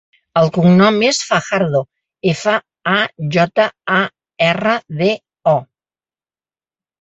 El cognom és Fajardo: efa, a, jota, a, erra, de, o.